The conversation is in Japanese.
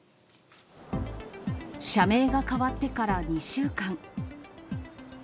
社名が変わってから２週間。